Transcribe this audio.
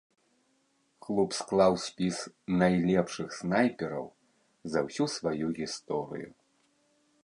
Клуб склаў спіс найлепшых снайпераў за ўсю сваю гісторыю.